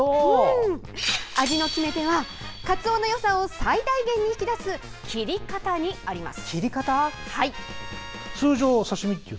味の決め手は、かつおのよさを最大限に引き出す切り方にあります。